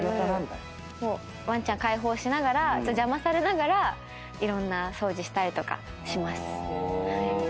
ワンちゃん解放しながら邪魔されながらいろんな掃除したりとかします。